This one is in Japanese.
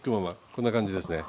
こんな感じですね。